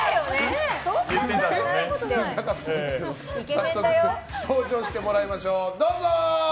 早速登場してもらいましょう。